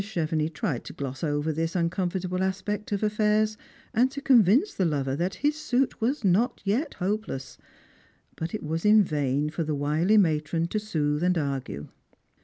Chevenix tried to gloss over this uncomfortable aspect of affairs, and to convince the lover that his suit was not yet hopeless; but it was in vain for the wily matron to soothe and argue.